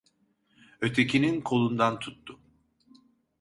Ötekinin kolundan tuttu.